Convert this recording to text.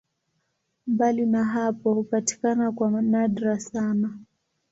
Mbali na hapo hupatikana kwa nadra sana.